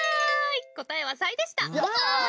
答えはサイでした。